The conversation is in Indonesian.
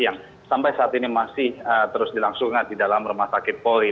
yang sampai saat ini masih terus dilangsungkan di dalam rumah sakit polri